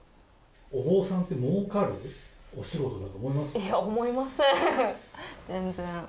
お坊さんってもうかるお仕事いや、思いません、全然。